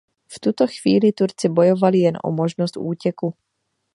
V tuto chvíli Turci bojovali jen o možnost útěku.